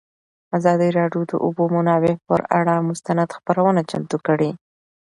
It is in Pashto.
ازادي راډیو د د اوبو منابع پر اړه مستند خپرونه چمتو کړې.